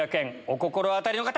お心当たりの方！